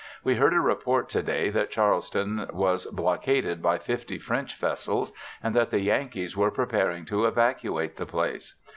We heard a report to day that Charleston was blockaded by fifty French vessels and that the Yankees were preparing to evacuate the place.